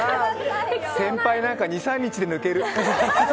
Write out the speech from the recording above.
先輩なんか２３日で抜ける。